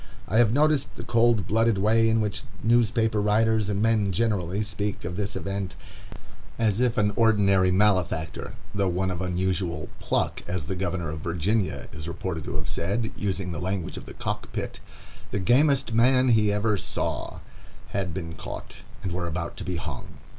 I have noticed the cold blooded way in which newspaper writers and men generally speak of this event, as if an ordinary malefactor, though one of unusual "pluck,"—as the Governor of Virginia is reported to have said, using the language of the cock pit, "the gamest man he ever saw,"—had been caught, and were about to be hung.